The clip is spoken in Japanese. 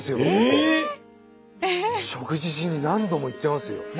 ええ⁉食事しに何度も行ってますよ。